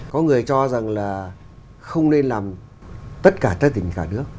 có người cho rằng là không nên làm tất cả trái tim cả nước